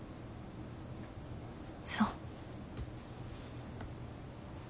そう。